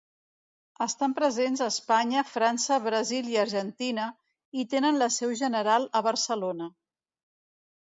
Estan presents a Espanya, França, Brasil i Argentina i tenen la seu general a Barcelona.